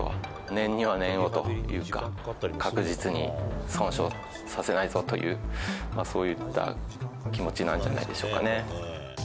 念には念をというか、確実に損傷させないぞという、そういった気持ちなんじゃないでしょうかね。